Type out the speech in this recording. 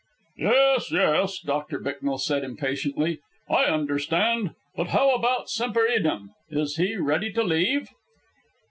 "Yes, yes," Doctor Bicknell said impatiently; "I understand. But how about Semper Idem? Is he ready to leave?"